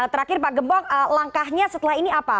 terakhir pak gembong langkahnya setelah ini apa